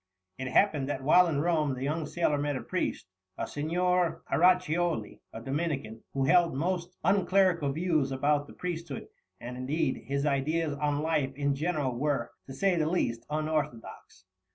It happened that while in Rome the young sailor met a priest, a Signor Caraccioli, a Dominican, who held most unclerical views about the priesthood; and, indeed, his ideas on life in general were, to say the least, unorthodox.